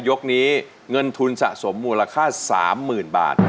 ยกนี้เงินทุนสะสมมูลค่า๓๐๐๐บาท